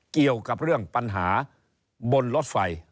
เกี่ยวกับเรื่องปัญหาบนรถไฟ